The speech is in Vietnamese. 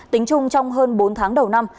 tính chung trong hơn bốn tháng đầu năm